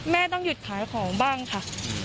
ต้องหยุดขายของบ้างค่ะ